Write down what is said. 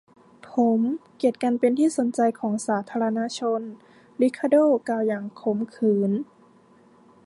ผมเกลียดการเป็นที่สนใจของสาธารณะชน ริคาร์โด้กล่าวอย่างขมขื่น